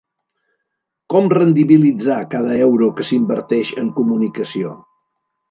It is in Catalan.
Com rendibilitzar cada euro que s'inverteix en comunicació?